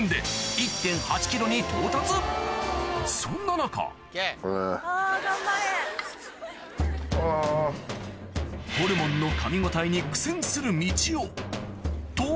そんな中ホルモンのかみ応えに苦戦するみちおと！